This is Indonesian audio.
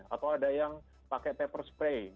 atau ada yang pakai paper spray